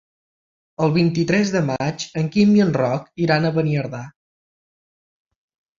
El vint-i-tres de maig en Quim i en Roc iran a Beniardà.